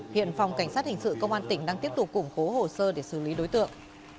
hiện phòng cảnh sát hình sự công an tỉnh đang tiếp tục củng cố hồ sơ để xử lý đối tượng